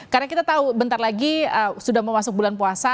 karena kita tahu bentar lagi sudah memasuki bulan puasa